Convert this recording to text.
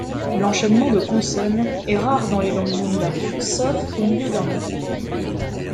L'enchaînement de consonnes est rare dans les langues munda, sauf au milieu d'un mot.